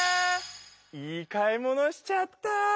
いい買い物しちゃった。